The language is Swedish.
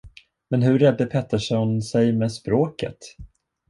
Men hur redde Pettersson sig med språket?